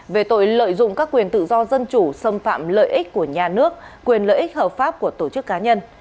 về tội lợi dụng các quyền tự do dân chủ xâm phạm lợi ích của nhà nước quyền lợi ích hợp pháp của tổ chức cá nhân